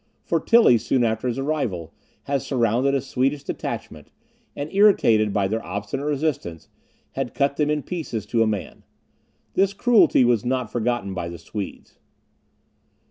For Tilly, soon after his arrival, had surrounded a Swedish detachment, and, irritated by their obstinate resistance, had cut them in pieces to a man. This cruelty was not forgotten by the Swedes.